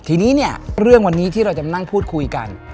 ทีนี้เนี่ยเรื่องวันนี้ที่เราจะมานั่งพูดคุยกัน